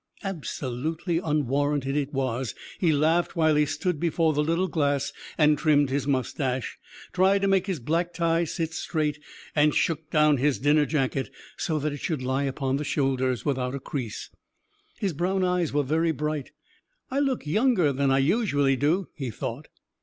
Absolutely unwarranted it was. He laughed while he stood before the little glass and trimmed his moustache, tried to make his black tie sit straight, and shook down his dinner jacket so that it should lie upon the shoulders without a crease. His brown eyes were very bright. "I look younger than I usually do," he thought.